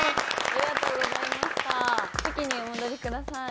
席にお戻りください。